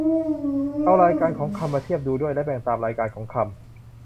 เอารายการของคำมาเทียบดูด้วย และแบ่งตามรายการของคำ